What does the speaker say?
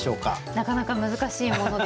なかなか難しいものですね。